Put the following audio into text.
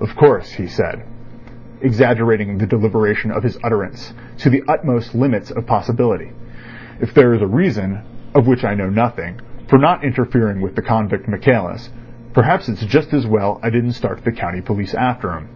"Of course," he said, exaggerating the deliberation of his utterance to the utmost limits of possibility, "if there is a reason, of which I know nothing, for not interfering with the convict Michaelis, perhaps it's just as well I didn't start the county police after him."